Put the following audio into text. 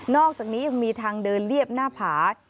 อกจากนี้ยังมีทางเดินเรียบหน้าผา